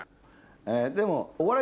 でも。